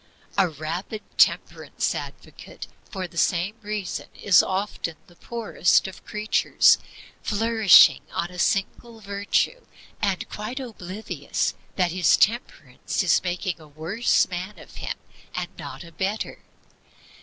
A rabid temperance advocate, for the same reason, is often the poorest of creatures, flourishing on a single virtue, and quite oblivious that his Temperance is making a worse man of him and not a better.